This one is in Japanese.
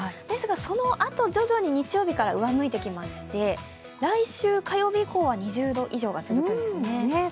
ですが、そのあと徐々に日曜日から上向いてきまして来週火曜日以降は２０度以上が続くんですね。